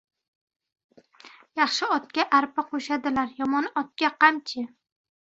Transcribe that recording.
• Yaxshi otga arpa qo‘shadilar, yomon otga — qamchi.